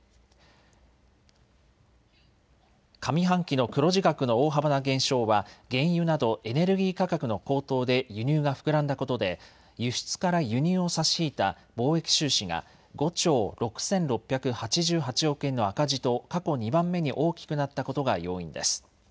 上半期の黒字額の大幅な減少は原油などエネルギー価格の高騰で輸入が膨らんだことで輸出から輸入を差し引いた貿易収支が５兆６６８８億円の赤字と過去２番目に大きくなったことが要因です。